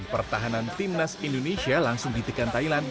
pertahanan timnas indonesia langsung ditekan thailand